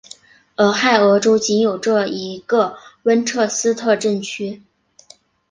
俄亥俄州仅有这一个温彻斯特镇区。